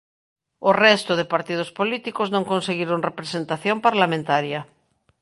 O resto de partidos políticos non conseguiron representación parlamentaria.